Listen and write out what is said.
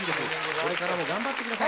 これからも頑張ってください。